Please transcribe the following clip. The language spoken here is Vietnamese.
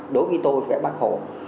đối với tôi phải bác khổ